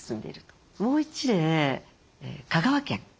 もう一例香川県。